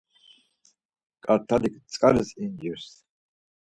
Kart̆alik tzǩaris inçirs.